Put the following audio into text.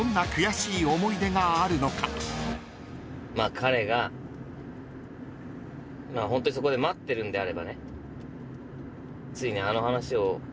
彼がホントにそこで待ってるんであればね。